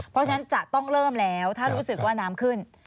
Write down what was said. เพราะฉะนั้นจะต้องเริ่มแล้วถ้ารู้สึกว่าน้ำขึ้น